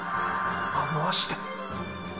あの足で！！